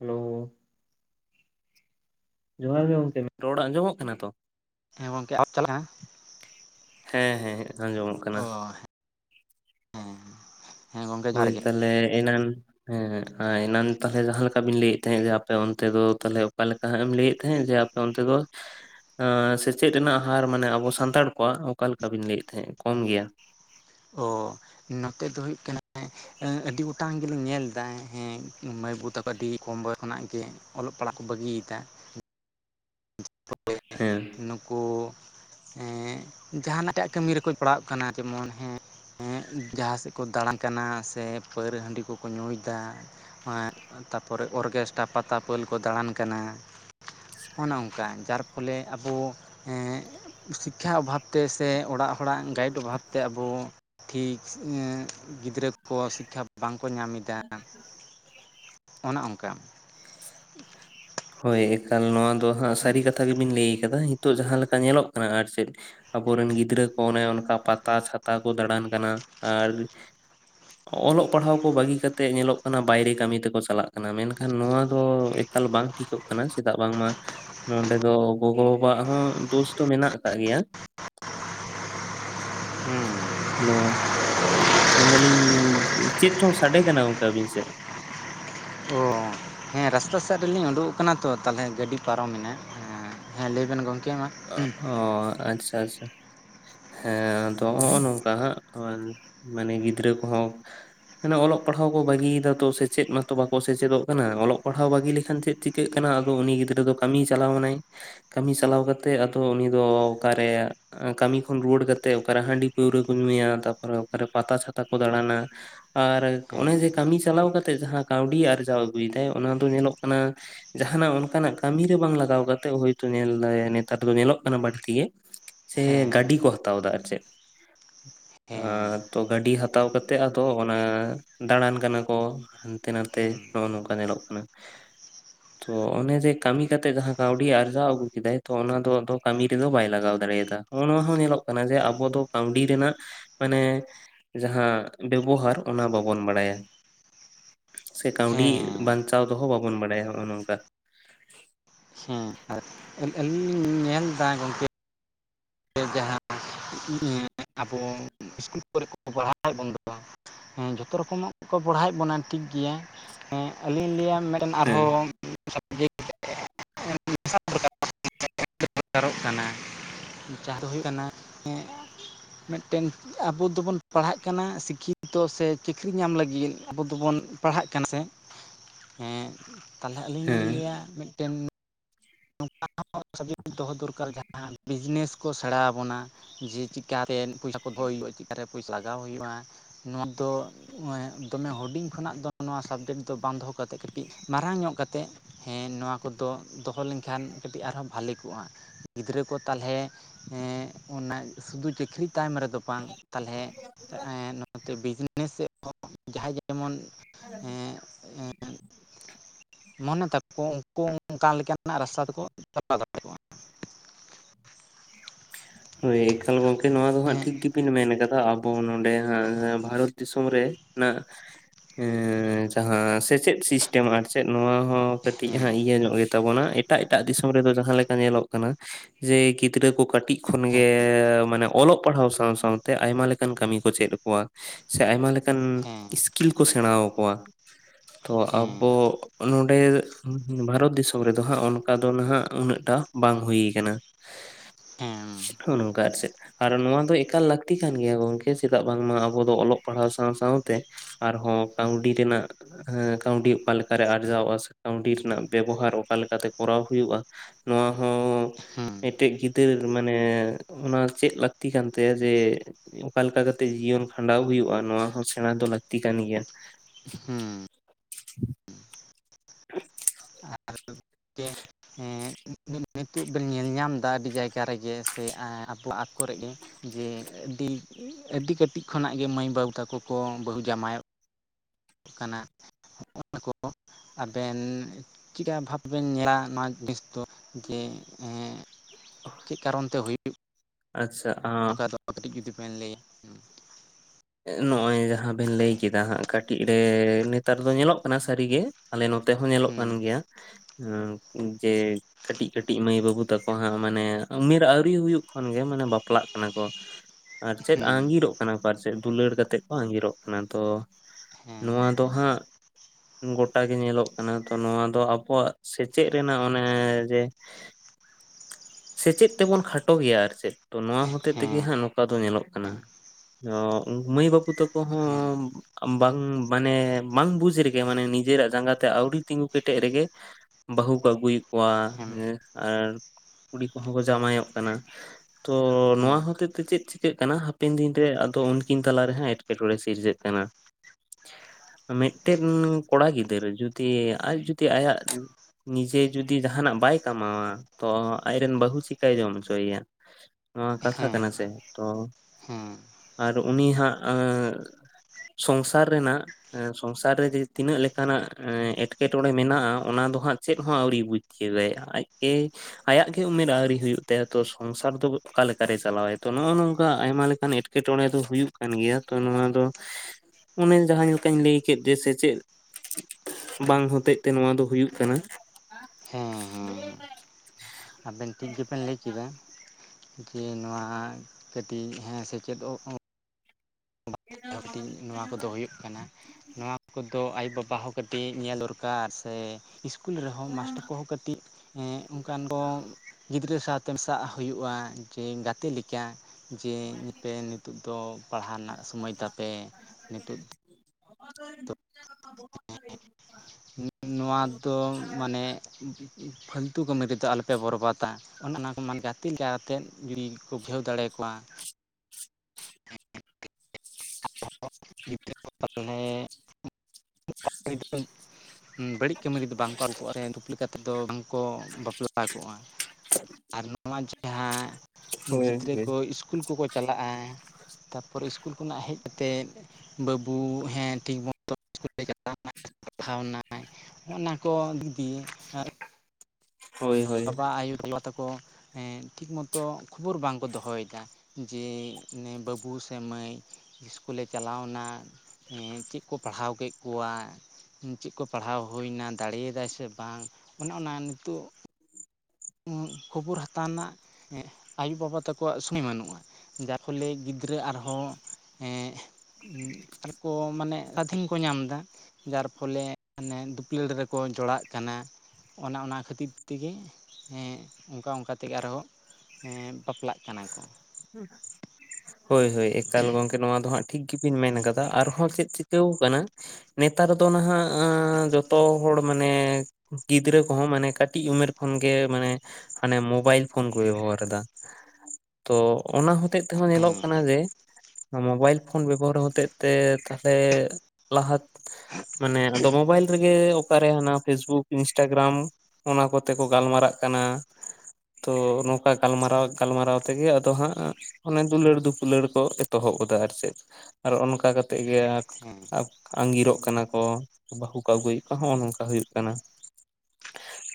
hello ᱡᱚᱦᱟᱨ ᱜᱮ ᱜᱚᱢᱠᱮ ᱨᱚᱲ ᱟᱸᱡᱚᱢᱚᱜ ᱠᱟᱱᱟ ᱛᱚ ᱦᱮᱸ ᱜᱚᱢᱠᱮ ᱟᱯ ᱪᱟᱞᱟᱜᱼᱟ ᱦᱮᱸ ᱦᱮᱸ ᱟᱸᱡᱚᱢᱚᱜ ᱠᱟᱱᱟ ᱦᱮᱸ ᱦᱮᱸ ᱜᱚᱝᱠᱮ ᱡᱚᱦᱟᱨ ᱦᱳᱭ ᱜᱮ ᱛᱟᱦᱞᱮ ᱮᱱᱟᱱ ᱦᱮᱸ ᱟᱨ ᱮᱱᱟᱱ ᱛᱟᱦᱚᱞᱮ ᱡᱟᱦᱟᱸᱞᱮᱠᱟ ᱵᱤᱱ ᱞᱟᱹᱭᱮᱫ ᱛᱟᱦᱮᱸ ᱡᱮ ᱟᱯᱮ ᱚᱱᱛᱮ ᱫᱚ ᱛᱟᱦᱚᱞᱮ ᱚᱠᱟᱞᱮᱠᱟ ᱦᱟᱸᱜ ᱮᱢ ᱞᱟᱹᱭᱮᱫ ᱛᱟᱦᱮᱸᱫ ᱡᱮ ᱟᱯᱮ ᱚᱱᱛᱮ ᱫᱚ ᱥᱮᱪᱮᱫ ᱨᱮᱱᱟᱜ ᱦᱟᱨ ᱢᱟᱱᱮ ᱟᱵᱚ ᱥᱟᱱᱛᱟᱲ ᱠᱚᱣᱟᱜ ᱚᱠᱟ ᱞᱮᱠᱟ ᱵᱤᱱ ᱞᱟᱹᱭᱮᱫ ᱛᱟᱦᱮᱫ ᱠᱚᱢ ᱜᱮᱭᱟ ᱚ ᱱᱚᱛᱮ ᱫᱚ ᱦᱩᱭᱩᱜ ᱠᱟᱱᱟ ᱟᱹᱰᱤ ᱜᱚᱴᱟᱝ ᱜᱮᱞᱮᱧ ᱧᱮᱞᱫᱟ ᱦᱮᱸ ᱢᱟᱹᱭ ᱵᱩ ᱛᱟᱠᱚ ᱟᱹᱰᱤ ᱠᱚᱢ ᱵᱚᱭᱚᱥ ᱠᱷᱚᱱᱟᱜ ᱜᱮ ᱚᱞᱚᱜ ᱯᱟᱲᱦᱟᱜ ᱠᱚ ᱵᱟᱹᱜᱤᱭ ᱮᱫᱟ ᱮ ᱦᱮᱸ ᱱᱩᱠᱩ ᱦᱮᱸ ᱡᱟᱦᱟᱱ ᱮᱴᱟᱜ ᱠᱟᱹᱢᱤ ᱨᱮᱠᱚ ᱯᱟᱲᱟᱜ ᱠᱟᱱᱟ ᱡᱮᱢᱚᱱ ᱦᱮᱸ ᱦᱮᱸ ᱡᱟᱦᱟᱸ ᱥᱮᱫ ᱠᱚ ᱫᱟᱬᱟᱱ ᱠᱟᱱᱟ ᱥᱮ ᱯᱟᱹᱣᱨᱟᱹ ᱦᱟᱺᱰᱤ ᱠᱚᱠᱚ ᱧᱩᱭᱫᱟ ᱮ ᱛᱟᱯᱚᱨᱮ ᱚᱨᱜᱮᱥᱴᱨᱟ ᱯᱟᱛᱟ ᱯᱟᱹᱞ ᱠᱚ ᱫᱟᱬᱟᱱ ᱠᱟᱱᱟ ᱚᱱᱮ ᱚᱱᱠᱟ ᱡᱟᱨ ᱯᱷᱚᱞᱮ ᱟᱵᱚ ᱥᱤᱠᱠᱷᱟ ᱚᱵᱷᱟᱵ ᱛᱮ ᱥᱮ ᱚᱲᱟᱜ ᱦᱚᱲᱟᱜ ᱜᱟᱭᱤᱰ ᱚᱵᱷᱟᱵ ᱵᱷᱟᱵᱛᱮ ᱟᱵᱚ ᱴᱷᱤᱠ ᱜᱤᱫᱽᱨᱟᱹ ᱠᱚ ᱥᱤᱠᱠᱷᱟ ᱵᱟᱝ ᱠᱚ ᱧᱟᱢ ᱮᱫᱟ ᱚᱱᱮ ᱚᱱᱠᱟ ᱦᱳᱭ ᱮᱠᱟᱞ ᱱᱚᱣᱟ ᱫᱚ ᱦᱟᱸᱜ ᱥᱟᱹᱨᱤ ᱦᱮᱸ ᱠᱟᱛᱷᱟ ᱜᱮᱵᱤᱱ ᱞᱟᱹᱭ ᱟᱠᱟᱫᱟ ᱱᱤᱛᱚᱜ ᱡᱟᱦᱟᱸ ᱞᱮᱠᱟ ᱧᱮᱞᱚᱜ ᱠᱟᱱᱟ ᱟᱨ ᱪᱮᱫ ᱟᱵᱚᱨᱮᱱ ᱜᱤᱫᱽᱨᱟᱹ ᱠᱚ ᱚᱱᱮ ᱚᱱᱠᱟ ᱯᱟᱛᱟ ᱪᱷᱟᱛᱟ ᱠᱚ ᱫᱟᱬᱟᱱ ᱠᱟᱱᱟ ᱟᱨ ᱚᱞᱚᱜ ᱯᱟᱲᱦᱟᱣ ᱠᱚ ᱵᱟᱹᱜᱤ ᱠᱟᱛᱮᱫ ᱧᱮᱞᱚᱜ ᱠᱟᱱᱟ ᱵᱟᱭᱨᱮ ᱠᱟᱹᱢᱤ ᱛᱮᱠᱚ ᱪᱟᱞᱟᱜ ᱠᱟᱱᱟ ᱢᱮᱱᱠᱷᱟᱱ ᱱᱚᱣᱟ ᱫᱚ ᱮᱠᱟᱞ ᱵᱟᱝ ᱴᱷᱤᱠᱚᱜ ᱠᱟᱱᱟ ᱪᱮᱫᱟᱜ ᱵᱟᱝᱢᱟ ᱱᱚᱰᱮ ᱫᱚ ᱜᱚᱜᱚ ᱵᱟᱵᱟᱣᱟᱜ ᱦᱚᱸ ᱫᱳᱥ ᱫᱚ ᱢᱮᱱᱟᱜ ᱟᱠᱟᱫ ᱜᱮᱭᱟ ᱦᱮᱸ ᱦᱮᱞᱳᱣ ᱢᱮᱱᱫᱟᱞᱤᱧ ᱪᱮᱫ ᱪᱚᱝ ᱥᱟᱰᱮ ᱠᱟᱱᱟ ᱜᱚᱝᱠᱮ ᱟᱵᱤᱱ ᱥᱮᱫ ᱚ ᱦᱮᱸ ᱨᱟᱥᱛᱟ ᱥᱮᱫ ᱨᱮᱞᱤᱧ ᱩᱰᱩᱠ ᱟᱠᱟᱱᱟ ᱛᱚ ᱛᱟᱦᱚᱞᱮ ᱜᱟᱹᱰᱤ ᱯᱟᱨᱚᱢᱮᱱᱟ ᱦᱮᱸ ᱞᱟᱹᱭ ᱵᱮᱱ ᱜᱚᱝᱠᱮ ᱚ ᱟᱪᱪᱷᱟ ᱟᱪᱪᱷᱟ ᱦᱮᱸ ᱟᱫᱚ ᱦᱚᱜᱼᱚ ᱱᱚᱝᱠᱟ ᱦᱟᱸᱜ ᱟᱨ ᱢᱟᱱᱮ ᱜᱤᱫᱽᱨᱟᱹ ᱠᱚᱦᱚᱸ ᱢᱟᱱᱮ ᱚᱞᱚᱜ ᱯᱟᱲᱦᱟᱣ ᱠᱚ ᱵᱟᱹᱜᱤᱭ ᱫᱟ ᱛᱚ ᱥᱮ ᱪᱮᱫ ᱢᱟᱛᱚ ᱵᱟᱠᱚ ᱥᱮᱪᱮᱫᱚᱜ ᱠᱟᱱᱟ ᱚᱞᱚᱜ ᱯᱟᱲᱦᱟᱣ ᱵᱟᱹᱜᱤ ᱞᱮᱠᱷᱟᱱ ᱪᱮᱫ ᱪᱤᱠᱟᱹᱜ ᱠᱟᱱᱟ ᱟᱫᱚ ᱩᱱᱤ ᱜᱤᱫᱽᱨᱟᱹ ᱫᱚ ᱠᱟᱹᱢᱤᱤᱭ ᱪᱟᱞᱟᱣ ᱮᱱᱟᱭ ᱠᱟᱹᱢᱤ ᱪᱟᱞᱟᱣ ᱠᱟᱛᱮ ᱛ ᱩᱱᱤ ᱫᱚ ᱚᱠᱟᱨᱮ ᱠᱟᱹᱢᱤ ᱠᱷᱚᱱ ᱨᱩᱣᱟᱹᱲ ᱠᱟᱛᱮ ᱚᱠᱟᱨᱮ ᱦᱟᱺᱰᱤ ᱯᱟᱹᱣᱨᱟᱹ ᱠᱚ ᱧᱩᱭᱟ ᱛᱟᱯᱚᱨᱮ ᱚᱠᱟᱨᱮ ᱯᱟᱛᱟ ᱪᱷᱟᱛᱟ ᱠᱚ ᱫᱟᱬᱟᱱᱟ ᱟᱨ ᱚᱱᱮ ᱦᱮᱸ ᱡᱮ ᱠᱟᱹᱢᱤ ᱪᱟᱞᱟᱣ ᱠᱟᱛᱮᱜ ᱡᱟᱦᱟᱸ ᱠᱟᱹᱣᱰᱤ ᱟᱨᱡᱟᱣ ᱟᱹᱜᱩ ᱞᱟᱭ ᱚᱱᱟ ᱫᱚ ᱧᱮᱞᱚᱜ ᱠᱟᱱᱟ ᱡᱟᱦᱟᱱᱟᱜ ᱚᱱᱠᱟᱱᱟᱜ ᱠᱟᱹᱢᱤ ᱨᱮ ᱵᱟᱝ ᱞᱟᱜᱟᱣ ᱠᱟᱛᱮ ᱦᱚᱭᱛᱳ ᱧᱮᱞ ᱫᱟᱭ ᱱᱮᱛᱟᱨ ᱫᱚ ᱧᱮᱞᱚᱜ ᱠᱟᱱᱟ ᱵᱟᱹᱲᱛᱤᱜᱮ ᱥᱮ ᱦᱮᱸ ᱜᱟᱹᱰᱤ ᱠᱚ ᱦᱟᱛᱟᱣᱫᱟ ᱟᱨ ᱪᱮᱫ ᱦᱮᱸ ᱛᱚ ᱜᱟᱹᱰᱤ ᱦᱟᱛᱟᱣ ᱠᱟᱛᱮ ᱟᱫᱚ ᱚᱱᱟ ᱫᱟᱬᱟᱱ ᱠᱟᱱᱟ ᱠᱚ ᱦᱟᱱᱛᱮ ᱱᱟᱛᱮ ᱱᱚᱜᱼ ᱱᱚᱝᱠᱟ ᱧᱮᱞᱚᱜ ᱠᱟᱱᱟ ᱛᱚ ᱚᱱᱮᱨᱮ ᱠᱟᱹᱢᱤ ᱠᱟᱛᱮᱜ ᱡᱟᱦᱟᱸ ᱠᱟᱹᱣᱰᱤ ᱟᱨᱡᱟᱣ ᱟᱹᱜᱩ ᱠᱮᱫᱟᱭ ᱛᱚ ᱚᱱᱟ ᱫᱚ ᱟ ᱠᱟᱹᱢᱤ ᱨᱮᱫᱚ ᱵᱟᱭ ᱞᱟᱜᱟᱣ ᱫᱟᱲᱮᱭᱟᱫᱟ ᱱᱚᱜᱼᱚ ᱱᱚᱣᱟ ᱦᱚᱸ ᱧᱮᱞᱚᱜ ᱠᱟᱱᱟ ᱡᱮ ᱟᱵᱚ ᱫᱚ ᱠᱟᱹᱣᱰᱤ ᱨᱮᱱᱟᱜ ᱢᱟᱱᱮ ᱡᱟᱦᱟᱸ ᱵᱮᱵᱚᱦᱟᱨ ᱚᱱᱟ ᱵᱟᱵᱚᱱ ᱵᱟᱲᱟᱭᱟ ᱥᱮ ᱠᱟᱹᱣᱰᱤ ᱦᱮᱸ ᱵᱟᱧᱪᱟᱣ ᱫᱚᱦᱚ ᱵᱟᱵᱚᱱ ᱵᱟᱲᱟᱭᱟ ᱱᱚᱜᱼᱚᱭ ᱱᱚᱝᱠᱟ ᱦᱮᱸ ᱟᱹᱞᱤᱧ ᱧᱮᱞᱫᱟ ᱜᱚᱢᱠᱮ ᱡᱟᱦᱟᱸ ᱟᱵᱚ ᱤᱥᱠᱩᱞ ᱠᱚᱨᱮ [inaudible] ᱦᱮᱸ ᱡᱷᱚᱛᱚ ᱨᱚᱠᱚᱢᱟᱜ ᱠᱚ ᱯᱟᱲᱦᱟᱣᱮᱫ ᱵᱚᱱᱟ ᱴᱷᱤᱠ ᱜᱮᱭᱟᱸ ᱟᱞᱤᱧ ᱞᱟᱹᱭᱟ ᱢᱤᱫᱴᱮᱱ ᱦᱮᱸ ᱟᱨᱦᱚᱸ [unintelligible] [unintelligible] ᱫᱚᱨᱟᱨᱚᱜ ᱠᱟᱱᱟ ᱡᱟᱦᱟᱸ ᱫᱚ ᱦᱩᱭᱩᱜ ᱠᱟᱱᱟ ᱢᱤᱫᱴᱮᱱ ᱟᱵᱚ ᱫᱚᱵᱚᱱ ᱯᱟᱲᱦᱟᱜ ᱠᱟᱱᱟ ᱥᱤᱠᱠᱷᱤᱛᱚ ᱥᱮ ᱪᱟᱹᱠᱨᱤ ᱧᱟᱢ ᱞᱟᱹᱜᱤᱫ ᱟᱵᱚ ᱫᱚᱵᱚᱱ ᱯᱟᱲᱦᱟᱜ ᱠᱟᱱᱟ ᱥᱮ ᱛᱟᱦᱚᱞᱮ ᱟᱹᱞᱤᱧ ᱞᱤᱧ ᱦᱮᱸ ᱞᱟᱹᱭᱟ ᱢᱤᱫᱴᱮᱱ ᱱᱚᱝᱠᱟ ᱦᱚᱸ ᱥᱟᱡ ᱫᱚᱦᱚ ᱫᱚᱨᱠᱟᱨ ᱡᱟᱦᱟᱸ ᱵᱤᱡᱽᱱᱮᱥ ᱠᱚ ᱥᱮᱬᱟᱣ ᱟᱵᱚᱱᱟ ᱡᱮ ᱪᱤᱠᱟ ᱛ ᱯᱚᱭᱥᱟ ᱠᱚ ᱫᱚᱦᱚᱭ ᱦᱩᱭᱩᱜᱼᱟ ᱪᱮᱫᱠᱟᱨᱮ ᱯᱚᱭᱥᱟ ᱞᱟᱜᱟᱣ ᱦᱩᱭᱩᱜᱼᱟ ᱱᱚᱣᱟ ᱫᱚ ᱫᱚᱢᱮ ᱦᱩᱰᱤᱧ ᱠᱷᱚᱱᱟᱜ ᱱᱚᱣᱟ ᱥᱟᱵᱡᱮᱠᱴ ᱫᱚ ᱵᱟᱝᱫᱷᱚ ᱠᱟᱛᱮ ᱠᱟᱹᱴᱤᱡ ᱢᱟᱨᱟᱝ ᱧᱚᱜ ᱠᱟᱛᱮ ᱦᱮᱸ ᱱᱚᱣᱟ ᱠᱚᱫᱚ ᱫᱚᱦᱚ ᱮᱱᱠᱷᱟᱱ ᱠᱟᱹᱴᱤᱡ ᱟᱨᱦᱚᱸ ᱵᱷᱟᱹᱞᱤ ᱠᱚ ᱜᱤᱫᱽᱨᱟᱹ ᱠᱚ ᱛᱟᱦᱚᱞᱮ ᱚᱱᱟ ᱥᱩᱫᱩ ᱪᱟᱹᱠᱨᱤ ᱠᱚ ᱛᱟᱭᱚᱢ ᱨᱮᱫᱚ ᱵᱟᱝ ᱛᱟᱦᱚᱞᱮ ᱱᱚᱛᱮ ᱵᱤᱡᱽᱱᱮᱥ ᱡᱟᱦᱟᱸ ᱡᱮᱢᱚᱱ ᱮ ᱢᱚᱱᱮ ᱛᱟᱠᱚ ᱩᱱᱠᱩ ᱚᱱᱠᱟ ᱞᱮᱠᱟ ᱨᱮᱱᱟᱜ ᱨᱟᱥᱛᱟ ᱛᱮᱠᱚ [unintelligible] ᱪᱟᱞᱟᱣ ᱫᱟᱲᱮ ᱠᱚᱣᱟ ᱦᱳᱭ ᱮᱠᱟᱞ ᱜᱚᱝᱠᱮ ᱱᱚᱣᱟ ᱫᱚ ᱦᱟᱸᱜ ᱴᱷᱤᱠ ᱜᱮᱵᱤᱱ ᱢᱮᱱ ᱠᱟᱫᱟ ᱟᱵᱚ ᱱᱚᱰᱮ ᱦᱮᱸ ᱵᱷᱟᱨᱚᱛ ᱫᱤᱥᱚᱢ ᱨᱮᱱᱟᱜ ᱡᱟᱦᱟᱸ ᱥᱮᱪᱮᱫ ᱥᱤᱥᱴᱮᱢ ᱟᱨ ᱪᱮᱫ ᱱᱚᱣᱟ ᱠᱟᱹᱴᱤᱡ ᱦᱮᱸ ᱦᱟᱸᱜ ᱤᱭᱟᱹ ᱧᱚᱜ ᱜᱮ ᱛᱟᱵᱚᱱᱟ ᱮᱴᱟᱜ ᱮᱴᱟᱜ ᱫᱤᱥᱚᱢ ᱨᱮᱫᱚ ᱡᱟᱦᱟᱸ ᱞᱮᱠᱟ ᱧᱮᱞᱚᱜ ᱠᱟᱱᱟ ᱡᱮ ᱜᱤᱫᱽᱨᱟᱹ ᱠᱚ ᱠᱟᱹᱴᱤᱡ ᱠᱷᱚᱱ ᱜᱮ ᱢᱟᱱᱮ ᱚᱞᱚᱜ ᱯᱟᱲᱦᱟᱣ ᱥᱟᱶ ᱥᱟᱶᱛᱮ ᱟᱭᱢᱟ ᱞᱮᱠᱟᱱ ᱠᱟᱹᱢᱤ ᱠᱚ ᱪᱮᱫ ᱟᱠᱚᱣᱟ ᱥᱮ ᱟᱭᱢᱟ ᱞᱮᱠᱟᱱ ᱦᱮᱸ ᱤᱥᱠᱤᱞ ᱠᱚ ᱥᱮᱬᱟ ᱟᱠᱚᱣᱟ ᱛᱚ ᱦᱮᱸ ᱟᱵᱚ ᱱᱚᱰᱮ ᱵᱷᱟᱨᱚᱛ ᱫᱤᱥᱚᱢ ᱨᱮᱫᱚ ᱦᱟᱸᱜ ᱚᱱᱠᱟ ᱫᱚ ᱱᱟᱦᱟᱜ ᱩᱱᱟᱹᱜᱴᱟ ᱵᱟᱝ ᱦᱩᱭ ᱟᱠᱟᱱᱟ ᱦᱮ ᱱᱚᱜᱼᱚ ᱱᱚᱝᱠᱟ ᱟᱨ ᱪᱮᱫ ᱟᱨ ᱱᱚᱣᱟ ᱫᱚ ᱮᱠᱟᱞ ᱞᱟᱹᱠᱛᱤ ᱠᱟᱱ ᱜᱮᱭᱟ ᱜᱚᱝᱠᱮ ᱪᱮᱫᱟᱜ ᱵᱟᱝᱢᱟ ᱟᱵᱚ ᱫᱚ ᱚᱞᱚᱜ ᱯᱟᱲᱦᱟᱣ ᱥᱟᱶ ᱥᱟᱶᱛᱮ ᱟᱨᱦᱚᱸ ᱠᱟᱹᱣᱰᱤ ᱨᱮᱱᱟᱜ ᱠᱟᱹᱣᱰᱤ ᱚᱠᱟ ᱞᱮᱠᱟᱨᱮ ᱟᱨᱡᱟᱣᱼᱟ ᱥᱮ ᱠᱟᱹᱣᱰᱤ ᱨᱮᱱᱟᱜ ᱵᱮᱵᱚᱦᱟᱨ ᱚᱠᱟ ᱞᱮᱠᱟᱛᱮ ᱠᱚᱨᱟᱣ ᱦᱩᱭᱩᱜᱼᱟ ᱱᱚᱣᱟ ᱦᱚᱸ ᱦᱮᱸ ᱢᱤᱫᱴᱮᱱ ᱜᱤᱫᱽᱨᱟᱹ ᱠᱷᱟᱹᱛᱤᱨ ᱢᱟᱱᱮ ᱚᱱᱟ ᱪᱮᱫ ᱞᱟᱹᱠᱛᱤ ᱠᱟᱱ ᱛᱟᱭᱟ ᱡᱮ ᱚᱠᱟ ᱞᱮᱠᱟ ᱠᱟᱛᱮᱜ ᱡᱤᱭᱚᱱ ᱠᱷᱟᱸᱰᱟᱣ ᱦᱩᱭᱩᱜᱼᱟ ᱦᱩᱭᱩᱜᱼᱟ ᱱᱚᱣᱟ ᱦᱚᱸ ᱥᱮᱬᱟ ᱫᱚ ᱞᱟᱹᱠᱛᱤ ᱠᱟᱱ ᱜᱮᱭᱟ ᱦᱮᱸ [inaudible] ᱟᱨᱠᱤ [inaudible] ᱧᱟᱢ ᱮᱫᱟ ᱟᱹᱰᱤ ᱡᱟᱭᱜᱟ ᱨᱮᱜᱮ ᱥᱮ ᱟᱵᱚᱣᱟᱜ ᱠᱚ ᱨᱮᱜᱮ ᱡᱮ ᱟᱹᱰᱤ ᱟᱹᱰᱤ ᱠᱟᱹᱴᱤᱡ ᱠᱟᱹᱴᱤᱡ ᱠᱷᱚᱱᱟᱜ ᱜᱮ ᱢᱟᱹᱭ ᱵᱟᱹᱵᱩ ᱛᱟᱠᱚ ᱠᱚ ᱵᱟᱹᱦᱩ ᱡᱟᱶᱟᱭᱼᱚᱜ ᱠᱟᱱᱟ [inaudible] ᱟᱵᱮᱱ ᱪᱮᱫᱠᱟ ᱵᱷᱟᱵ ᱵᱮᱱ ᱧᱮᱞᱟ ᱱᱚᱣᱟ ᱡᱤᱱᱤᱥ ᱫᱚ ᱡᱮ ᱮ ᱪᱮᱫ ᱠᱟᱨᱚᱱ ᱛᱮ ᱦᱩᱭᱩᱜ ᱟᱪᱪᱷᱟ ᱟᱸ ᱱᱚᱝᱠᱟ ᱫᱚ ᱠᱟᱹᱴᱤᱡ ᱡᱩᱫᱤ ᱵᱮᱱ ᱞᱟᱹᱭᱟ ᱱᱚᱜᱼᱚᱭ ᱡᱟᱦᱟᱸ ᱵᱮᱱ ᱞᱟᱹᱭ ᱠᱮᱫ ᱦᱟᱸᱜ ᱠᱟᱹᱴᱤᱡ ᱨᱮ ᱱᱮᱛᱟᱨ ᱫᱚ ᱧᱮᱞᱚᱜ ᱠᱟᱱᱟ ᱥᱟᱹᱨᱤᱜᱮ ᱟᱞᱮ ᱱᱚ ᱛᱮᱦᱚ ᱧᱮᱞᱚᱜ ᱠᱟᱱ ᱦᱮᱸ ᱜᱮᱭᱟ ᱡᱮ ᱠᱟᱹᱴᱤᱡ ᱠᱟᱹᱴᱤᱡ ᱠᱟᱹᱴᱤᱡ ᱢᱟᱹᱭ ᱵᱟᱹᱵᱩ ᱛᱟᱠᱚ ᱦᱟᱸᱜ ᱢᱟᱱᱮ ᱩᱢᱮᱨ ᱟᱹᱣᱨᱤ ᱦᱩᱭᱩᱜ ᱠᱷᱚᱱ ᱜᱮ ᱢᱟᱱᱮ ᱵᱟᱯᱞᱟᱜ ᱠᱟᱱᱟ ᱠᱚ ᱟᱨ ᱪᱮᱫ ᱦᱮᱸ ᱟᱸᱜᱤᱨᱚᱜ ᱠᱟᱱᱟ ᱠᱚ ᱟᱨ ᱪᱮᱫ ᱫᱩᱞᱟᱹᱲ ᱠᱟᱛᱮᱜ ᱠᱚ ᱟᱸᱜᱤᱨᱚᱜ ᱠᱟᱱᱟ ᱛᱚ ᱦᱮᱸ ᱱᱚᱣᱟ ᱫᱚ ᱦᱟᱸᱜ ᱜᱚᱴᱟ ᱜᱮ ᱧᱮᱞᱚᱜ ᱠᱟᱱᱟ ᱛᱚ ᱱᱚᱣᱟ ᱫᱚ ᱟᱵᱚᱣᱟᱜ ᱥᱮᱪᱮᱫ ᱨᱮᱱᱟᱜ ᱚᱱᱮ ᱡᱮ ᱥᱮᱪᱮᱫ ᱛᱮᱵᱚᱱ ᱠᱷᱟᱴᱚ ᱜᱮᱭᱟ ᱟᱨ ᱪᱮᱫ ᱱᱚᱣᱟ ᱦᱚᱛᱮᱡ ᱦᱮᱸ ᱛᱮᱜᱮ ᱦᱟᱸᱜ ᱱᱚᱝᱠᱟ ᱫᱚ ᱧᱮᱞᱚᱜ ᱠᱟᱱᱟ ᱢᱟᱹᱭ ᱵᱟᱵᱩ ᱛᱠᱚ ᱦᱚ ᱦᱮᱸ ᱵᱟᱝ ᱢᱟᱱᱮ ᱵᱟᱝ ᱵᱩᱡ ᱨᱮᱜᱮ ᱢᱟᱱᱮ ᱱᱤᱡᱮᱨᱟᱜ ᱡᱟᱸᱜᱟᱛᱮ ᱟᱣᱲᱤ ᱛᱤᱸᱜᱩ ᱠᱮᱴᱮᱡ ᱨᱮᱜᱮ ᱵᱟᱹᱦᱩ ᱟᱹᱜᱩᱭᱮᱫ ᱠᱚᱣᱟ ᱦᱮᱸ ᱟᱨ ᱠᱩᱲᱤ ᱠᱚᱦᱚᱸ ᱠᱚ ᱡᱟᱶᱟᱭᱚᱜ ᱠᱟᱱᱟ ᱛᱚ ᱱᱚᱣᱟ ᱦᱮᱸ ᱦᱚᱛᱮ ᱛᱮ ᱪᱮᱫ ᱪᱤᱠᱟᱹᱜ ᱠᱟᱱᱟ ᱦᱟᱯᱮᱱ ᱫᱤᱱᱨᱮ ᱟᱫᱚ ᱩᱱᱠᱤᱱ ᱛᱟᱞᱟᱨᱮ ᱦᱟ ᱮᱸᱴᱠᱮᱴᱚᱬᱮ ᱥᱤᱨᱡᱟᱹᱜ ᱠᱟᱱᱟ ᱢᱤᱫᱴᱮᱱ ᱠᱚᱲᱟ ᱜᱤᱫᱽᱟᱹᱨᱟᱹ ᱡᱩᱫᱤ ᱟᱡ ᱡᱩᱫᱤ ᱟᱭᱟᱜ ᱱᱤᱡᱮ ᱡᱩᱫᱤ ᱡᱟᱦᱟᱱᱟᱜ ᱵᱟᱭ ᱠᱟᱢᱟᱣᱟ ᱛᱚ ᱟᱡᱨᱮᱱ ᱵᱟᱹᱦᱩ ᱪᱤᱠᱟᱭ ᱡᱚᱢ ᱦᱚᱪᱚᱭᱮᱭᱟ ᱱᱚᱣᱟ ᱠᱟᱛᱷᱟ ᱦᱮᱸ ᱠᱟᱱᱟ ᱥᱮ ᱛᱚ ᱦᱮᱸ ᱦᱮᱸ ᱟᱨ ᱩᱱᱤ ᱦᱟᱸᱟᱜ ᱥᱚᱝᱥᱟᱨ ᱨᱮᱱᱟᱜ ᱥᱚᱝᱥᱟᱨ ᱨᱮ ᱡᱮ ᱛᱤᱱᱟᱹᱜ ᱞᱮᱠᱟᱱᱟᱜ ᱮᱸᱴᱠᱮᱴᱚᱬᱮ ᱢᱮᱱᱟᱜᱼᱟ ᱚᱱᱟ ᱫᱚ ᱦᱟᱸᱜ ᱪᱮᱫ ᱦᱚᱸ ᱟᱹᱣᱨᱤ ᱵᱩᱡᱠᱟᱭ ᱟᱡᱜᱮ [unintelligible] ᱟᱭᱟᱜ ᱜᱮ ᱩᱢᱮᱨ ᱟᱹᱣᱨᱤ ᱦᱩᱭᱩᱜ ᱛᱟᱭᱟ ᱛᱚ ᱥᱚᱝᱥᱟᱨ ᱫᱚ ᱚᱠᱟᱞᱠ ᱨᱟᱭ ᱪᱟᱞᱟᱣᱟᱭ ᱛᱚ ᱱᱚᱜᱼᱚ ᱱᱚᱝᱠᱟ ᱟᱭᱢᱟ ᱞᱮᱠᱟᱱ ᱮᱴᱠᱮᱴᱬᱮ ᱮᱴᱠᱮᱴᱚᱬᱮ ᱫᱚ ᱦᱩᱭᱩᱜ ᱠᱟᱱ ᱜᱮᱭᱟ ᱛᱚ ᱱᱚᱣᱟ ᱫᱚ ᱚᱱᱮ ᱡᱟᱦᱟᱸ ᱞᱮᱠᱟᱧ ᱞᱟᱹᱭ ᱠᱮᱫ ᱡᱮ ᱥᱮᱪᱮᱫ ᱵᱟᱝ ᱦᱚᱛᱮᱜ ᱛᱮ ᱱᱚᱣᱟ ᱫᱚ ᱦᱩᱭᱩᱜ ᱠᱟᱱᱟ ᱦᱮᱸ ᱦᱮᱸ ᱦᱮᱸ ᱟᱵᱮᱱ ᱴᱷᱤᱠ ᱜᱮᱵᱮᱱ ᱞᱟᱹᱭ ᱠᱮᱫᱟ ᱡᱮ ᱱᱚᱣᱟ ᱠᱟᱹᱴᱤᱡ ᱦᱮᱸ ᱥᱮᱪᱮᱫ ᱚᱜ ᱠᱟᱹᱴᱤᱡ ᱱᱚᱣᱟ ᱠᱚᱫᱚ ᱦᱩᱭᱩᱜ ᱠᱟᱱᱟ ᱱᱚᱣᱟ ᱠᱚᱫᱚ ᱟᱭ ᱵᱟᱵᱟ ᱦᱚᱸ ᱠᱟᱹᱴᱤᱡ ᱧᱮᱞ ᱫᱚᱨᱠᱟᱨ ᱥᱮ ᱤᱥᱠᱩᱞ ᱨᱮᱦᱚᱸ ᱢᱟᱥᱴᱟᱨ ᱠᱚᱦᱚᱸ ᱠᱟᱹᱴᱤᱡ ᱚᱱᱠᱟᱱ ᱵᱚᱱ ᱜᱤᱫᱽᱨᱟᱹ ᱥᱟᱶ ᱛᱮ ᱢᱮᱥᱟᱜ ᱦᱩᱭᱩᱜᱼᱟ ᱡᱮ ᱜᱟᱛᱮ ᱞᱮᱠᱟ ᱡᱮ ᱧᱯᱮ ᱱᱤᱛᱳ ᱫᱚ ᱯᱟᱲᱦᱟᱣ ᱨᱮᱱᱟᱜ ᱥᱩᱢᱟᱭ ᱯᱮ ᱱᱤᱛᱚᱜ [inaudible] [unintelligible] ᱱᱚᱣᱟ ᱫᱚ ᱢᱟᱱᱮ ᱯᱷᱟᱟᱹᱞᱛᱩ ᱠᱟᱹᱢᱤ ᱨᱮᱫᱚ ᱟᱞᱚᱯᱮ ᱵᱚᱨᱚᱵᱫᱟ ᱚᱱᱮ ᱚᱱᱟ ᱠᱚ ᱢᱟᱱ ᱜᱟᱛᱮ ᱡᱛᱮᱫ ᱡᱩᱫᱤ ᱠᱚ ᱜᱷᱮᱣ ᱫᱟᱲᱮᱭᱟ ᱠᱚᱣᱟ [inaudible] ᱜᱤᱫᱽᱨᱟᱹ ᱠᱚ ᱛᱟᱦᱮᱞᱮ [unintelligible] [inaudible] [inaudible] [unintelligible] ᱵᱟᱹᱲᱤᱡ ᱠᱟᱹᱢᱤ ᱨᱮᱮᱫᱚ ᱵᱟᱝᱠᱚ ᱟᱞᱩ ᱠᱚᱜᱼᱟ ᱫᱩᱯ ᱞᱮᱠᱟ ᱛᱮᱫᱚ ᱵᱟᱝᱠᱚ ᱵᱟᱯᱞᱟ ᱠᱚᱜᱼᱟ ᱟᱨ ᱱᱚᱣᱟ ᱡᱟᱦᱟᱸ ᱦᱳᱭ ᱜᱤᱫᱽᱨᱟᱹ ᱦᱳᱭ ᱠᱚ ᱤᱥᱠᱩᱞ ᱠᱚᱠᱚ ᱪᱟᱞᱟᱜᱼᱟ ᱛᱟᱯᱚᱨ ᱤᱥᱠᱩᱞ ᱠᱷᱚᱱᱟᱜ ᱦᱮᱡ ᱠᱟᱛᱮᱫ ᱵᱟᱹᱵᱩ ᱦᱮᱸ ᱴᱷᱤᱠ ᱢᱚᱛᱚ ᱤᱥᱠᱩᱞ ᱯᱮ ᱪᱟᱞᱟᱣ ᱞᱮᱱᱟ ᱥᱮ ᱵᱟᱝ [unintelligible] ᱯᱟᱲᱦᱷᱟᱣᱱᱟᱭ ᱦᱚᱜᱼ ᱱᱟ ᱠᱚ ᱫᱤᱠ ᱫᱤᱭᱮ ᱦᱳᱭ ᱦᱳᱭ ᱵᱟᱵᱟ ᱟᱭᱳ ᱛᱟᱠᱚ ᱴᱷᱤᱠ ᱢᱚᱛᱚ ᱠᱷᱚᱵᱚᱨ ᱵᱟᱝᱠᱚ ᱫᱚᱦᱚᱭᱫᱟ ᱡᱮ ᱵᱟᱹᱵᱩ ᱥᱮ ᱢᱟᱹᱭ ᱤᱥᱠᱩᱞᱮ ᱪᱟᱞᱟᱣᱱᱟ ᱪᱮᱫ ᱠᱚ ᱯᱟᱲᱦᱟᱣ ᱠᱮᱫ ᱠᱚᱣᱟ ᱪᱮᱫ ᱠᱚ ᱯᱟᱲᱦᱟᱣ ᱦᱩᱭᱱᱟ ᱫᱟᱲᱮᱭᱟᱫᱟᱭ ᱥᱮ ᱵᱟᱝ ᱚᱱᱮ ᱚᱱᱟ ᱱᱤᱛᱚᱜ ᱠᱷᱚᱵᱚᱨ ᱦᱟᱛᱟᱣ ᱨᱮᱱᱟᱜ ᱟᱭᱳᱼᱵᱟᱵᱟ ᱛᱟᱠᱚᱣᱟᱜ ᱥᱳᱚᱢᱚᱭ ᱵᱟᱹᱱᱩᱜᱼᱟ ᱡᱟ ᱠᱚ ᱞᱟ, ᱭ ᱜᱤᱫᱽᱨᱟᱹ ᱟᱨᱦᱚᱸ ᱮᱸ ᱟᱨᱠᱚ ᱢᱟᱱᱮ ᱥᱟᱫᱷᱤᱱ ᱠᱚ ᱧᱟᱢᱫᱟ ᱡᱟᱨ ᱯᱷᱚᱞᱮ ᱢᱟᱱᱮ ᱫᱩᱯᱞᱟᱹᱲ ᱨᱮᱠᱚ ᱡᱚᱲᱟᱜ ᱠᱟᱱᱟ ᱚᱱᱮ ᱚᱱᱟ ᱠᱷᱟᱹᱛᱤᱨ ᱛᱮᱜᱮ ᱦᱮᱸ ᱚᱱᱠᱟ ᱚᱱᱠᱟ ᱛᱮᱜᱮ ᱟᱨᱦᱚᱸ ᱵᱟᱯᱞᱟᱜ ᱠᱟᱱᱟ ᱠᱚ ᱦᱳᱭ ᱦᱳᱭ ᱮᱠᱟᱞ ᱜᱚᱝᱠᱮ ᱱᱚᱣᱟ ᱫᱚ ᱦᱟᱸᱜ ᱴᱷᱤᱠ ᱜᱮᱵᱤᱱ ᱢᱮᱱ ᱦᱮᱸ ᱠᱟᱫᱟ ᱟᱨᱦᱚᱸ ᱪᱮᱫ ᱪᱤᱠᱟᱹ ᱟᱠᱟᱱᱟ ᱱᱮᱛᱟᱨ ᱫᱚ ᱱᱟᱦᱟᱜ ᱡᱚᱛᱚ ᱦᱚᱲ ᱢᱟᱱᱮ ᱜᱤᱫᱽᱨᱟᱹ ᱜᱤᱫᱽᱨᱟᱹ ᱠᱚᱦᱚᱸ ᱢᱟᱱᱮ ᱠᱟᱹᱴᱤᱡ ᱩᱢᱮᱨ ᱠᱷᱚᱱᱜᱮ ᱢᱟᱱᱮ ᱦᱟᱱᱮ ᱢᱳᱵᱟᱭᱤᱞ ᱯᱷᱳᱱ ᱠᱚ ᱵᱮᱵᱚᱦᱟᱨ ᱮᱫᱟ ᱛᱚ ᱚᱱᱟ ᱦᱚᱛᱮᱜ ᱛᱮᱦᱚᱸ ᱧᱮᱞᱚᱜ ᱠᱟᱱᱟ ᱡᱮ ᱢᱳᱵᱟᱭᱤᱞ ᱯᱷᱳᱱ ᱵᱮᱵᱚᱦᱟᱨ ᱦᱚᱛᱮᱜ ᱛᱮ ᱛᱟᱦᱚᱞᱮ ᱞᱟᱦᱟ ᱢᱟᱱᱮ ᱟᱫᱚ ᱢᱳᱵᱟᱭᱤᱞ ᱨᱮᱜᱮ ᱚᱠᱟᱨᱮ ᱦᱟᱱᱟ ᱯᱷᱮᱥᱵᱩᱠ ᱤᱱᱥᱴᱟᱜᱨᱟᱢ ᱚᱱᱟ ᱠᱚᱛᱮ ᱠᱚ ᱜᱟᱞᱢᱟᱨᱟᱜ ᱠᱟᱱᱟ ᱛᱚ ᱱᱚᱝᱠᱟ ᱜᱟᱞᱢᱟᱨᱟᱣ ᱜᱟᱞᱢᱟᱨᱟᱣ ᱠᱟᱛᱮᱜᱮ ᱟᱫᱚ ᱦᱟᱸᱜ ᱦᱟᱱᱮ ᱫᱩᱞᱟᱹᱲ ᱫᱩᱯᱩᱞᱟᱹᱲ ᱠᱚ ᱮᱛᱚᱦᱚᱵ ᱫᱟ ᱟᱨ ᱪᱮᱫ ᱟᱨ ᱚᱱᱠᱟ ᱠᱟᱛᱮ ᱠᱟᱛᱮᱫ ᱜᱮ ᱦᱮᱸ ᱟᱸᱜᱤᱨᱚᱜ ᱠᱟᱱᱟ ᱠᱚ ᱵᱟᱹᱦᱩ ᱠᱚ ᱟᱹᱜᱩᱭᱮᱫ ᱠᱚᱣᱟ ᱦᱚᱸᱜᱼ ᱱᱚᱝᱠᱟ ᱦᱩᱭᱩᱜ ᱠᱟᱱᱟ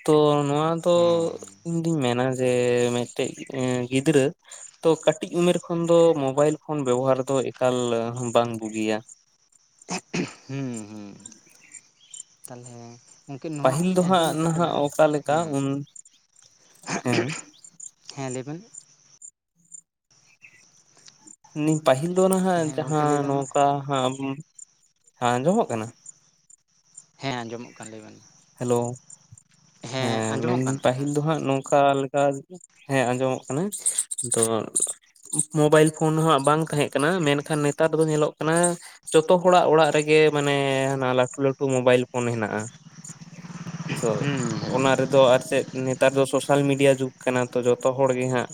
ᱛᱚ ᱱᱚᱣᱟ ᱫᱚ ᱦᱮᱸ ᱤᱧᱫᱩᱧ ᱢᱮᱱᱟ ᱡᱮ ᱢᱤᱫᱴᱮᱡ ᱮᱸ ᱜᱤᱫᱽᱨᱟᱹ ᱛᱚ ᱠᱟᱹᱴᱤᱡ ᱩᱢᱮᱨ ᱠᱷᱚᱱ ᱫᱚ ᱢᱳᱚᱵᱟᱭᱤᱞ ᱯᱷᱳᱱ ᱵᱮᱵᱚᱦᱟᱨ ᱫᱚ ᱮᱠᱟᱞ ᱵᱟᱝ ᱵᱩᱜᱤᱭᱟ [inaudible] ᱦᱩᱸ ᱛᱟᱦᱚᱞᱮ ᱜᱚᱢᱠᱮ ᱱᱚᱣᱟ ᱯᱟᱹᱦᱤᱞ ᱫᱚ ᱦᱚᱞᱤᱧ ᱦᱟᱸᱜ ᱟᱸᱡᱚᱢ ᱱᱟᱦᱟᱜ ᱟᱠᱟᱫᱟ ᱚᱠᱟ ᱞᱮᱠᱟ ᱦᱮᱸ ᱩᱱ ᱦᱮᱸ ᱦᱮᱸ ᱞᱟᱹᱭ ᱢᱮ ᱯᱟᱹᱦᱤᱞ ᱫᱚ ᱱᱟᱦᱟᱸᱜ ᱦᱮᱸ ᱜᱚᱢᱠᱮ ᱡᱟᱦᱟᱸ ᱞᱟᱹᱭ ᱵᱮᱱ ᱢᱟ ᱱᱚᱝᱠᱟ ᱦᱟᱸᱜ ᱦᱮᱸ ᱟᱸᱡᱚᱢᱚᱜ ᱠᱟᱱᱟ ᱦᱮᱸ ᱟᱸᱡᱚᱢᱚᱜ ᱠᱟᱱ ᱞᱟᱹᱭ ᱵᱮᱱ ᱦᱮᱞᱳ ᱦᱮᱸ ᱟᱸᱡᱚᱢᱚᱜ ᱢᱮᱱᱫᱟᱹᱧ ᱠᱟᱱᱟ ᱦᱮᱸ ᱯᱟᱹᱦᱤᱞ ᱫᱚ ᱦᱟᱸᱜ ᱱᱚᱝᱠᱟ ᱞᱮᱠᱟ ᱟᱨ ᱦᱮᱸ ᱟᱸᱡᱚᱢᱚᱜ ᱠᱟᱱᱟ ᱛᱚ ᱢᱳᱵᱟᱭᱤᱞ ᱯᱷᱳᱱ ᱦᱚᱸ ᱵᱟᱝ ᱛᱟᱦᱮᱸ ᱠᱟᱱᱟ ᱢᱮᱱᱠᱷᱟᱱ ᱱᱮᱛᱟᱨ ᱫᱚ ᱧᱮᱞᱚᱜ ᱠᱟᱱᱟ ᱡᱚᱛᱚ ᱦᱚᱲᱟᱜ ᱚᱲᱟᱜ ᱨᱮᱜᱮ ᱮ ᱢᱟᱱᱮ ᱦᱟᱱᱟ ᱞᱟᱹᱴᱩ ᱞᱟᱹᱴᱩ ᱢᱳᱵᱟᱭᱤᱞ ᱯᱷᱳᱱ ᱦᱮᱱᱟᱜᱼᱟ ᱛᱚ ᱦᱮᱸ ᱦᱮᱸ ᱚᱱᱟ ᱨᱮᱫᱚ ᱟᱨ ᱪᱮᱫ ᱱᱮᱛᱟᱨ ᱫᱚ ᱥᱳᱥᱟᱞ ᱢᱤᱰᱤᱭᱟ ᱡᱩᱜᱽ ᱠᱟᱱᱟ ᱛᱚ ᱡᱚᱛᱚ ᱦᱚᱲ ᱜᱮ ᱦᱟᱸᱜ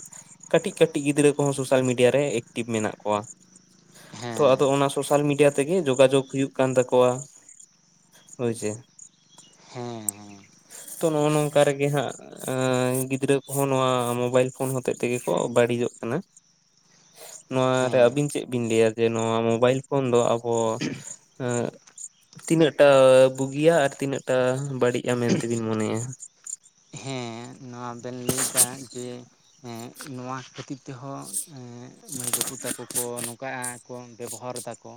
ᱠᱟᱹᱴᱤᱡ ᱠᱟᱹᱴᱤᱡ ᱜᱤᱫᱽᱨᱟᱹ ᱠᱚᱦᱚᱸ ᱥᱳᱥᱟᱞ ᱢᱤᱰᱤᱭᱟ ᱢᱤᱰᱤᱭᱟ ᱨᱮ ᱮᱠᱴᱤᱵᱷ ᱢᱮᱱᱟᱜ ᱠᱚᱣᱟ ᱛᱚ ᱦᱮᱸ ᱟᱫᱚ ᱚᱱᱟ ᱥᱳᱥᱟᱞ ᱢᱤᱰᱤᱭᱟ ᱛᱮᱜᱮ ᱡᱳᱜᱟᱡᱳᱜᱽ ᱦᱩᱭᱩᱜ ᱠᱟᱱ ᱛᱟᱠᱚᱣᱟ ᱦᱳᱭᱥᱮ ᱦᱮᱸᱻᱦᱮᱸ ᱛᱚ ᱱᱚᱜᱼᱚᱭ ᱱᱚᱝᱠᱟ ᱨᱮᱜᱮ ᱦᱟᱸᱜ ᱜᱤᱫᱽᱨᱟᱹ ᱠᱚᱦᱚᱸ ᱱᱚᱣᱟ ᱢᱳᱵᱟᱭᱤᱞ ᱯᱷᱳᱱ ᱦᱚᱛᱮ ᱛᱮᱜᱮ ᱠᱚ ᱵᱟᱹᱲᱤᱡᱚᱜ ᱠᱟᱱᱟ ᱠᱟᱱᱟ ᱱᱚᱣᱟᱨᱮ ᱦᱮᱸ ᱟᱹᱵᱤᱱ ᱪᱮᱫ ᱵᱤᱱ ᱞᱟᱹᱭᱟ ᱡᱮ ᱱᱚᱣᱟ ᱢᱳᱵᱟᱭᱤᱞ ᱯᱷᱳᱱ ᱫᱚ ᱟᱵᱚ ᱛᱤᱱᱟᱹᱜᱴᱟ ᱵᱩᱜᱤᱭᱟ ᱟᱨ ᱛᱤᱱᱟᱹᱜ ᱴᱟ ᱵᱟᱹᱲᱤᱡᱼᱟ ᱢᱮᱱᱛᱮᱵᱤᱱ ᱢᱚᱱᱮᱭᱟ ᱦᱮᱸ ᱱᱚᱣᱟ ᱵᱮᱱ ᱞᱟᱹᱭ ᱮᱫᱟ ᱡᱮ ᱱᱚᱣᱟ ᱠᱷᱟᱹᱛᱤᱨ ᱛᱮᱦᱚᱸ ᱢᱟᱹᱭ ᱵᱟᱹᱵᱩ ᱛᱟᱠᱚ ᱠᱚ ᱱᱚᱝᱠᱟᱼᱟ ᱠᱚ ᱵᱮᱵᱚᱦᱟᱨ ᱫᱟᱠᱚ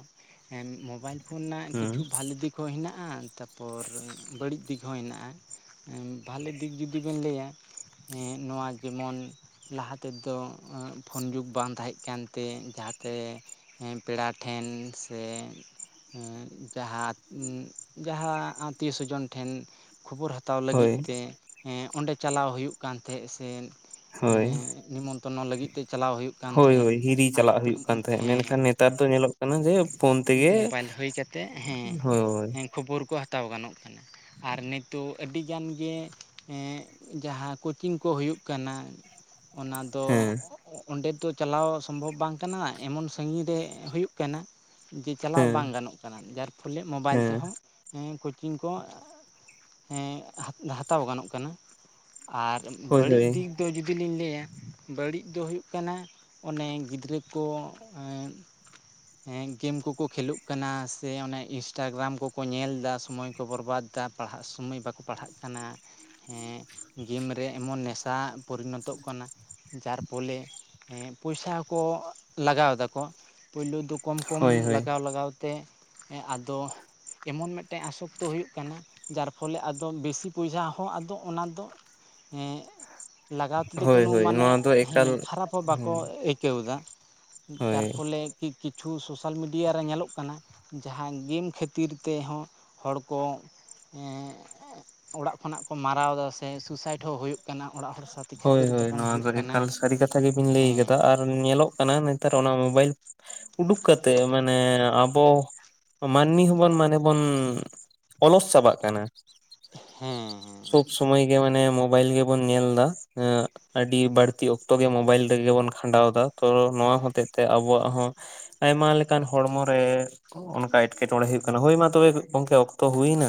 ᱢᱳᱚᱵᱟᱭᱤᱞ [unintelligible] ᱦᱩᱸ ᱠᱤᱪᱷᱩ ᱵᱷᱟᱞᱮ ᱫᱤᱠ ᱦᱚᱸ ᱦᱮᱱᱟᱜᱼᱟ ᱦᱟᱸ ᱛᱟᱯᱚᱨ ᱵᱟᱹᱲᱤᱡ ᱫᱤᱠ ᱦᱚᱸ ᱦᱮᱱᱟᱜᱼᱟ ᱵᱷᱟᱞᱮ ᱫᱤᱠ ᱡᱩᱫᱤ ᱵᱮᱱ ᱞᱟᱹᱭᱟ ᱦᱮᱸ ᱱᱚᱣᱟ ᱡᱮᱢᱚᱱ ᱞᱟᱦᱟ ᱛᱮᱫᱚ ᱯᱷᱳᱱ ᱡᱩᱜᱽ ᱵᱟᱝ ᱛᱟᱦᱮᱸ ᱠᱟᱱᱛᱮ ᱡᱟᱦᱟᱸᱛᱮ ᱯᱮᱲᱟ ᱴᱷᱮᱱ ᱥᱮ ᱡᱟᱦᱟᱸ ᱡᱟᱦᱟᱸ ᱟᱛᱤᱭᱚ ᱥᱚᱡᱚᱱ ᱴᱷᱮᱱ ᱠᱷᱚᱵᱚᱨ ᱦᱟᱛᱟᱣ ᱞᱟᱹᱜᱤᱫ ᱦᱳᱭ ᱛᱮ ᱦᱮᱸ ᱚᱸᱰᱮ ᱪᱟᱞᱟᱣ ᱦᱩᱭᱩᱜ ᱠᱟᱱ ᱛᱟᱦᱮᱸᱫ ᱥᱮ ᱮᱸ ᱦᱳᱭ ᱱᱮᱢᱚᱱᱛᱨᱚᱱᱚ ᱞᱟᱹᱜᱤᱫ ᱛᱮ ᱪᱟᱞᱟᱣ ᱦᱩᱭᱩᱜ ᱠᱟᱱ ᱦᱳᱭ ᱛᱟᱦᱮᱸᱫ ᱦᱳᱭ ᱦᱤᱨᱤ ᱟᱨ ᱪᱟᱞᱟᱜ ᱱᱤᱛᱚᱜ ᱦᱩᱭᱩᱜ ᱠᱟᱱ ᱛᱟᱦᱮᱸᱫ ᱦᱮᱸ ᱢᱮᱱᱠᱷᱟᱱ ᱱᱮᱛᱟᱨ ᱫᱚ ᱧᱮᱞᱚᱜ ᱠᱟᱱᱟ ᱡᱮ ᱯᱷᱳᱱ ᱛᱮᱜᱮ ᱢᱳᱵᱟᱭᱤᱞ ᱦᱩᱭ ᱠᱟᱛᱮ ᱦᱳᱭ ᱦᱮᱸ ᱠᱷᱚᱵᱚᱨ ᱠᱚ ᱦᱟᱛᱟᱣ ᱦᱟᱛᱟᱣ ᱜᱟᱱᱚᱜ ᱠᱟᱱᱟ ᱟᱨ ᱱᱤᱛᱳ ᱟᱹᱰᱤ ᱜᱟᱱ ᱜᱮ ᱮ ᱡᱟᱦᱟᱸ ᱠᱳᱪᱤᱝ ᱠᱚ ᱦᱩᱭᱩᱜ ᱠᱟᱱᱟ ᱚᱱᱟ ᱫᱚ ᱦᱮᱸ ᱚᱸᱰᱮ ᱫᱚ ᱪᱟᱞᱟᱣ ᱥᱚᱢᱵᱷᱚᱵᱽ ᱵᱟᱝ ᱠᱟᱱᱟ ᱮᱢᱚᱱ ᱥᱟᱺᱜᱤᱧ ᱨᱮ ᱦᱩᱭᱩᱜ ᱠᱟᱱᱟ ᱡᱮ ᱪᱟᱞᱟᱣ ᱦᱮᱸ ᱵᱟᱝ ᱜᱟᱱᱚᱜ ᱠᱟᱱᱟ ᱡᱟᱨ ᱯᱷᱚᱞᱮ ᱢᱳᱵᱟᱭᱤᱞ ᱦᱮᱸ ᱛᱮᱦᱚᱸ ᱪᱤᱝ ᱠᱚ ᱮᱸ ᱦᱟᱛᱟᱣ ᱜᱟᱱᱚᱜ ᱠᱟᱱᱟ ᱟᱨ ᱦᱳᱭ ᱵᱟᱹᱲᱤᱡ ᱦᱳᱭ ᱫᱤᱠ ᱫᱚ ᱡᱩᱫᱤ ᱞᱤᱧ ᱞᱟᱹᱭᱟ ᱵᱟᱹᱲᱤᱡ ᱫᱚ ᱦᱩᱭᱩᱜ ᱠᱟᱱᱟ ᱚᱱᱮ ᱜᱤᱫᱽᱨᱟᱹ ᱠᱚ ᱮᱸ ᱜᱮᱢ ᱠᱚᱠᱚ ᱠᱷᱹᱞᱳᱜ ᱠᱟᱱᱟ ᱥᱮ ᱤᱱᱥᱴᱟᱜᱨᱟᱢ ᱠᱚᱠᱚ ᱧᱮᱞᱮᱫᱟ ᱥᱚᱢᱚᱭ ᱠᱚ ᱵᱚᱨᱵᱟᱫ ᱮᱫᱟ ᱪᱮᱛᱟ ᱯᱟᱲᱦᱟᱜ ᱥᱳᱢᱟᱹᱭ ᱵᱟᱠᱚ ᱯᱟᱲᱦᱟᱜ ᱠᱟᱱᱟ ᱦᱮᱸ ᱜᱮᱢ ᱨᱮ ᱮᱢᱚᱱ ᱱᱮᱥᱟ ᱯᱚᱨᱤᱱᱚᱛᱚᱜ ᱠᱟᱱᱟ ᱡᱟᱨ ᱯᱷᱚᱞᱮ ᱦᱮᱸ ᱯᱚᱭᱥᱟ ᱦᱚᱠᱚ ᱞᱟᱜᱟᱣ ᱫᱟᱠᱚ ᱯᱩᱭᱞᱩ ᱫᱚ ᱠᱚᱢ ᱠᱚᱢ ᱦᱳᱭ ᱦᱳᱭ ᱞᱟᱜᱟᱣ ᱞᱟᱜᱟᱣ ᱛᱮ ᱟᱫᱚ ᱮᱢᱚᱱ ᱢᱤᱫᱴᱮᱱ ᱟᱥᱚᱠᱛᱚ ᱦᱩᱭᱩᱜ ᱠᱟᱱᱟ ᱡᱟᱨ ᱯᱷᱚᱞᱮ ᱟᱫᱚ ᱵᱮᱥᱤ ᱯᱚᱭᱥᱟ ᱦᱚᱸ ᱟᱫᱚ ᱚᱱᱟ ᱫᱚ ᱮ ᱞᱟᱜᱟᱣ ᱛᱮᱫᱚ ᱦᱳᱭ ᱠᱳᱱᱳ ᱦᱳᱭ ᱢᱟᱱᱮ ᱱᱚᱣᱟ ᱫᱚ ᱦᱮᱸ ᱮᱠᱟᱞ ᱠᱷᱟᱨᱟᱯ ᱦᱚᱸ ᱦᱩᱸ ᱵᱟᱠᱚ ᱟᱹᱭᱠᱟᱹᱣ ᱫᱟ ᱦᱳᱭ ᱛᱟᱨ ᱯᱷᱚᱞᱮ ᱠᱤ ᱠᱤ ᱠᱤᱪᱷᱩ ᱥᱳᱥᱟᱞ ᱢᱤᱰᱤᱭᱟ ᱨᱮ ᱧᱮᱞᱚᱜ ᱠᱟᱱᱟ ᱡᱟᱦᱟᱸ ᱜᱮᱢ ᱠᱷᱟᱹᱛᱤᱨ ᱛᱮᱦᱚᱸ ᱦᱚᱲ ᱠᱚ ᱦᱮᱸ ᱚᱲᱟᱜ ᱠᱷᱚᱱᱟᱜ ᱠᱚ ᱢᱟᱨᱟᱣ ᱮᱫᱟ ᱥᱮ ᱥᱩᱥᱟᱭᱤᱴ ᱦᱚᱸ ᱦᱩᱭᱩᱜ ᱠᱟᱱᱟ ᱚᱲᱟᱜ ᱦᱚᱲ ᱥᱟᱶᱛᱮ ᱦᱳᱭ ᱠᱷᱟᱹᱯᱟᱹᱨᱤ ᱦᱳᱭ ᱛᱟᱯᱟᱢ ᱱᱚᱣᱟ ᱦᱩᱭᱩᱜ ᱫᱚ ᱠᱟᱱᱟ ᱮᱠᱟᱞ ᱥᱟᱹᱨᱤ ᱠᱟᱛᱷᱟ ᱜᱮᱵᱤᱱ ᱞᱟᱹᱭ ᱦᱮᱸ ᱠᱟᱫᱟ ᱟᱨ ᱧᱮᱞᱚᱜ ᱠᱟᱱᱟ ᱱᱮᱛᱟᱨ ᱚᱱᱟ ᱢᱳᱵᱟᱭᱤᱞᱼᱼ ᱩᱰᱩᱠ ᱠᱟᱛᱮ ᱢᱟᱱᱮ ᱟᱵᱚ ᱢᱟᱹᱱᱢᱤ ᱦᱚᱸᱵᱚᱱ ᱢᱟᱱᱮ ᱵᱚᱱ ᱚᱞᱚᱥ ᱪᱟᱵᱟᱜ ᱠᱟᱱᱟ ᱦᱮᱸ ᱦᱮᱸ ᱥᱚᱵ ᱥᱚᱢᱚᱭ ᱜᱮ ᱢᱟᱱᱮ ᱢᱳᱵᱟᱭᱤᱞ ᱜᱮᱵᱚᱱ ᱧᱮᱞ ᱮᱸ ᱟᱹᱰᱤ ᱵᱟᱹᱲᱛᱤ ᱚᱠᱛᱚ ᱜᱮ ᱢᱳᱵᱟᱭᱤᱞ ᱨᱮᱜᱮ ᱵᱚᱱ ᱠᱷᱟᱸᱰᱟᱣ ᱮᱫᱟ ᱛᱚ ᱱᱚᱣᱟ ᱦᱚᱛᱮᱡ ᱛᱮ ᱟᱵᱚᱣᱟᱜ ᱦᱚᱸ ᱟᱭᱢᱟ ᱞᱮᱠᱟᱱ ᱦᱚᱲᱢᱚ ᱨᱮ ᱚᱱᱠᱟ ᱮᱸᱴᱠᱮᱴᱚᱬᱮ ᱦᱩᱭᱩᱜ ᱠᱟᱱᱟ ᱦᱳᱭ ᱢᱟ ᱛᱚᱵᱮ ᱜᱚᱝᱠᱮ ᱚᱠ ᱛᱚ ᱦᱩᱭᱱᱟ